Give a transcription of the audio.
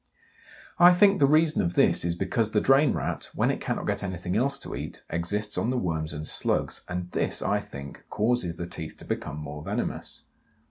I think the reason of this is because the Drain Rat, when it cannot get anything else to eat, exists on the worms and slugs, and this, I think, causes the teeth to become more venomous.